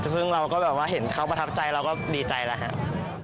ซึ่งเราก็แบบว่าเห็นเขาประทับใจเราก็ดีใจแล้วครับ